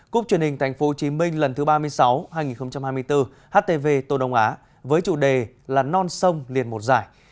cúp truyền hình thành phố hồ chí minh lần thứ ba mươi sáu hai nghìn hai mươi bốn htv tôn đông á với chủ đề là non sông liền một giải